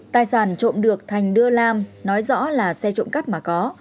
tài sản trộm được thành đưa lam nói rõ là xe trộm cắt mà có